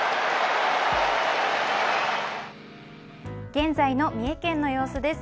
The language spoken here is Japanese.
現在の三重県の様子です。